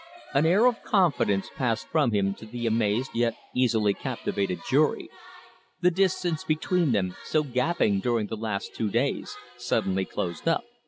An air of confidence passed from him to the amazed yet easily captivated jury; the distance between them, so gaping during the last two days, closed suddenly up.